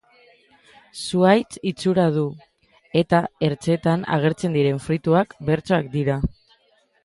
Zuhaitz itxura du, eta ertzetan agertzen diren fruituak bertsoak dira.